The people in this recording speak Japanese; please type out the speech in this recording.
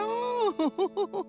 フフフフフ。